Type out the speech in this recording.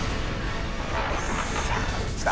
さあきた。